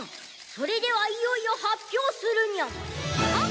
それではいよいよ発表するニャン。